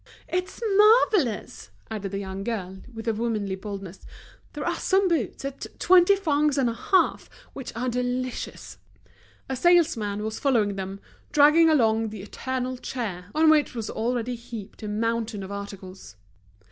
"It's marvellous!" added the young girl, with her womanly boldness. "There are some boots at twenty francs and a half which are delicious!" A salesman was following them, dragging along the eternal chair, on which was already heaped a mountain of articles.